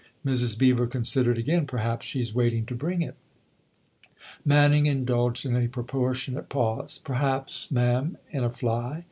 Mrs. Beever considered again. " Perhaps she's waiting to bring it." Manning indulged in a proportionate pause. " Perhaps, ma'am in a fly.